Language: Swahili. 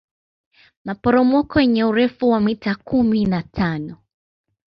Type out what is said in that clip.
maporomoko yenye urefu wa mita kumi na tano